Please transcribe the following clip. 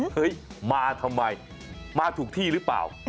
เฮ้ยมาทำไมมาถูกที่หรือเปล่า